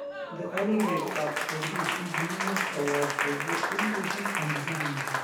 The Anywayup Cup has received numerous awards for both innovation and design.